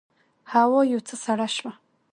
هوا یو څه سړه شوه.